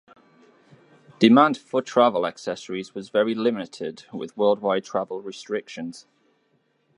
Demand for travel accessories was very limited with worldwide travel restrictions.